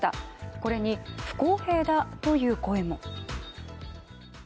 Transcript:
これに不公平だという声も。